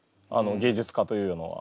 芸術家というのは。